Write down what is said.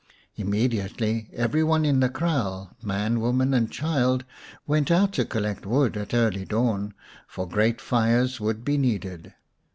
Immediately every one in the kraal, man, woman, and child, went out to collect wood at early dawn, for great fires would be needed.